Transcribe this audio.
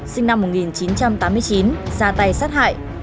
sinh năm một nghìn chín trăm tám mươi chín ra tay sát hại